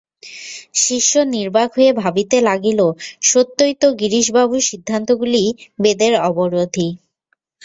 শিষ্য নির্বাক হইয়া ভাবিতে লাগিল, সত্যই তো গিরিশবাবু সিদ্ধান্তগুলি বেদের অবিরোধী।